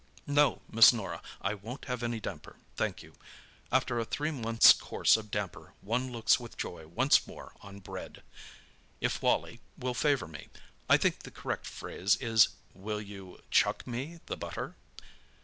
No, Miss Norah, I won't have any damper, thank you—after a three months' course of damper one looks with joy once more on bread. If Wally will favour me—I think the correct phrase is will you 'chuck me the butter?